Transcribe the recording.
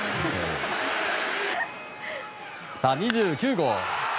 ２９号。